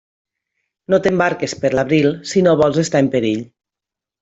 No t'embarques per l'abril si no vols estar en perill.